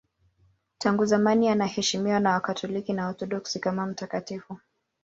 Tangu zamani anaheshimiwa na Wakatoliki na Waorthodoksi kama mtakatifu.